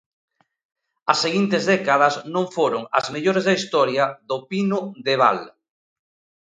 As seguintes décadas non foron as mellores da historia do Pino de val.